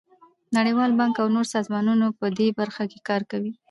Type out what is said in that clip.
نړیوال بانک او نور سازمانونه په دې برخه کې کار کوي.